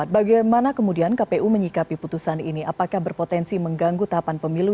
dua ribu dua puluh empat bagaimana kemudian kpu menyikapi putusan ini apakah berpotensi mengganggu tahapan pemilu